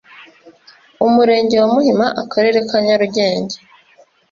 umurenge wa muhima akarere ka nyarugenge